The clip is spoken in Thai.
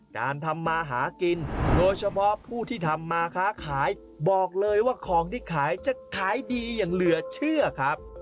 การทำมาหากินโดยเฉพาะผู้ที่ทำมาค้าขายบอกเลยว่าของที่ขายจะขายดีอย่างเหลือเชื่อครับ